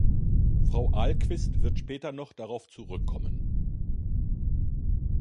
Frau Ahlqvist wird später noch darauf zurückkommen.